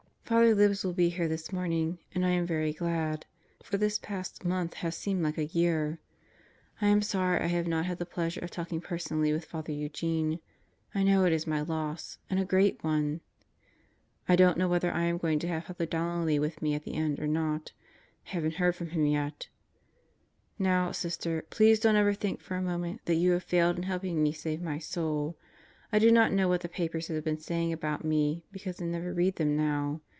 Father Libs will be here this morning, and I am very glad. For this past month has seemed like a year. I am sorry I have not had the pleasure of talking personally with Father Eugene. I know it is my loss and a great one! I don't know whether I am going to have Father Donnelly with me at the end or not. Haven't heard from him yet. Now, Sister, please don't ever think for a moment that you have failed in helping me save my soul. I do not know what the papers have been saying about me, because I never read them now.